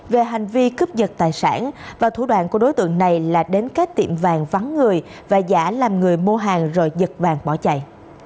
về hành vi cướp giật tài sản và thủ đoạn của đối tượng này là đến các tiệm vàng vắng người và giả làm người mua hàng rồi giật vàng bỏ chạy